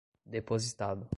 depositado